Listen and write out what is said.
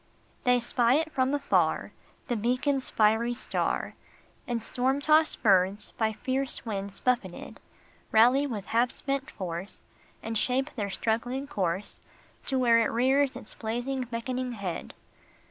HEY spy it from afar, The beacon s fiery star, And storm tossed birds, by fierce winds buffeted, Rally with half spent force. And shape their struggling course To where it rears its blazing, beckoning head.